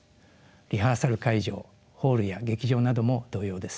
リハーサル会場ホールや劇場なども同様です。